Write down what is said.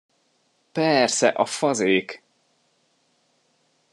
Persze, a fazék!